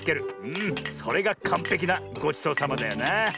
うんそれがかんぺきなごちそうさまだよな。